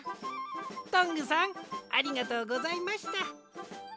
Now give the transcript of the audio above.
トングさんありがとうございました。